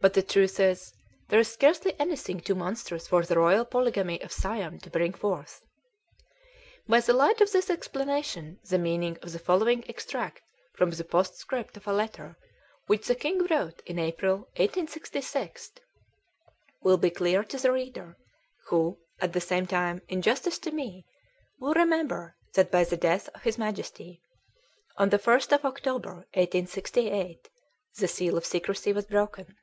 But the truth is, there is scarcely anything too monstrous for the royal polygamy of Siam to bring forth." By the light of this explanation the meaning of the following extract from the postscript of a letter which the king wrote in April, 1866, will be clear to the reader, who, at the same time, in justice to me, will remember that by the death of his Majesty, on the 1st of October, 1868, the seal of secrecy was broken.